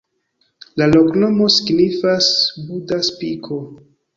La loknomo signifas: Buda-spiko.